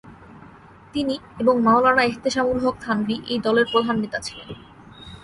তিনি এবং মাওলানা এহতেশামুল হক থানভী এই দলের প্রধান নেতা ছিলেন।